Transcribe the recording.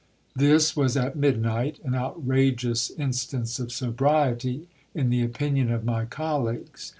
This was at midnight ; an outrageous instance of sobriety, in the opinion of my col leagues.